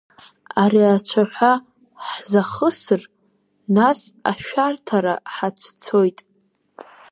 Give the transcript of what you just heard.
Ари ацәаҳәа ҳзахысыр, нас ашәарҭара ҳацәцоит!